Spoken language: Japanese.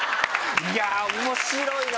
いやぁ面白いな！